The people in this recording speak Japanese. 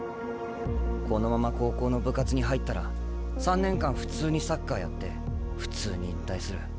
このまま高校の部活に入ったら３年間普通にサッカーやって普通に引退する。